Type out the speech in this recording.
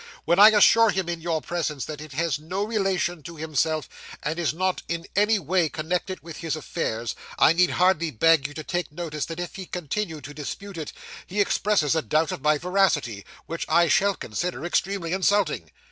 When I assure him, in your presence, that it has no relation to himself, and is not in any way connected with his affairs, I need hardly beg you to take notice that if he continue to dispute it, he expresses a doubt of my veracity, which I shall consider extremely insulting.